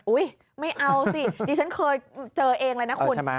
ไม่เอาสิดิฉันเคยเจอเองเลยนะคุณ